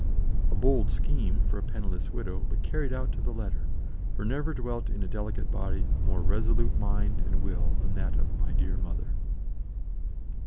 A bold scheme for a penniless widow, but carried out to the letter; for never dwelt in a delicate body a more resolute mind and will than that of my dear mother.